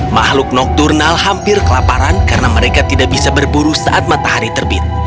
makhluk nokturnal hampir kelaparan karena mereka tidak bisa berburu saat matahari terbit